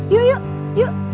yuk yuk yuk